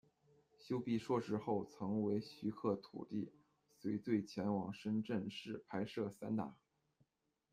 修毕硕士后曾为徐克徒弟，随队前往深圳市拍摄《散打》。